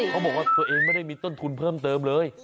เขาบอกว่าตัวเองไม่ได้มีต้นทุนเพิ่มเติมเลย